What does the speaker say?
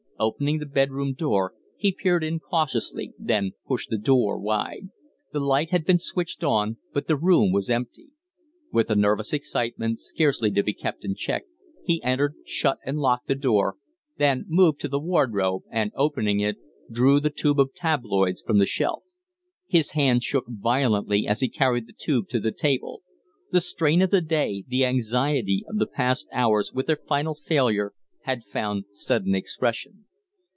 Opening the bedroom door, he peered in cautiously, then pushed the door wide. The light had been switched on, but the room was empty. With a nervous excitement scarcely to be kept in check, he entered, shut and locked the door, then moved to the wardrobe, and, opening it, drew the tube of tabloids from the shelf. His hand shook violently as he carried the tube to the table. The strain of the day, the anxiety of the past hours, with their final failure, had found sudden expression.